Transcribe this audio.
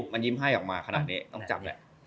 มันยิ้มให้ออกมาขนาดนี้ต้องจับแหละ